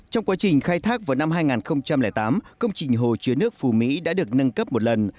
trong quá trình khai thác vào năm hai nghìn tám công trình hồ chứa nước phù mỹ đã được nâng cấp một lần